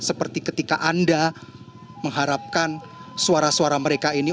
seperti ketika anda mengharapkan suara suara mereka ini